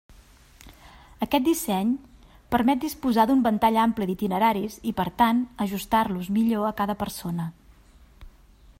Aquest disseny permet disposar d'un ventall ampli d'itineraris i per tant ajustar-los millor a cada persona.